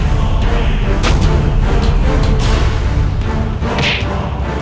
kau akan menang